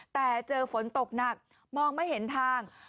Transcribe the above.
แต่เจอฝนตกหนักมองไม่เห็นทาง